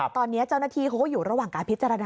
ตอนนี้เจ้าหน้าที่เขาก็อยู่ระหว่างการพิจารณา